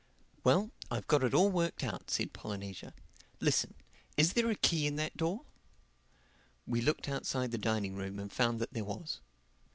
"Well, I've got it all worked out," said Polynesia. "Listen: is there a key in that door?" We looked outside the dining room and found that there was.